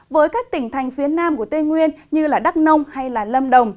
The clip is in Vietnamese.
với các tỉnh thành phía nam của tây nguyên như đắk nông hay lâm đồng